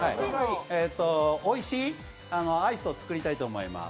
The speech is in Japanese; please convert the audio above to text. おいしいアイスを作りたいと思います。